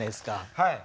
はい。